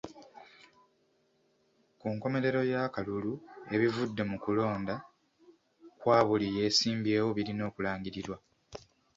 Ku nkomerero y'akalulu ebivudde mu kulonda kwa buli yeesimbyewo birina okulangirirwa.